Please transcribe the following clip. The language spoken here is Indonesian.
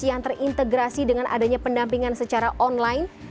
yang terintegrasi dengan adanya pendampingan secara online